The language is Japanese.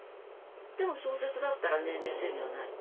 でも小説だったら年齢制限はない。